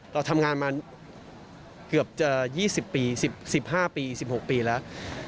เราทำงานมาเกือบจะ๒๐ปี๑๕ปี๑๖ปีแล้ว